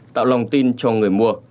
tạo lòng tin cho người mua